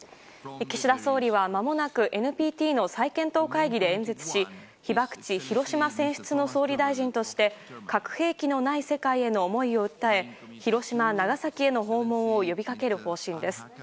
岸田総理大臣は、まもなく再検討会議で演説し被爆地・広島選出の総理大臣として核兵器のない世界への思いを訴え広島、長崎への訪問を呼びかける方針です。